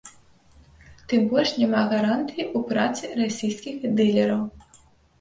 Тым больш няма гарантыі ў працы расійскіх дылераў.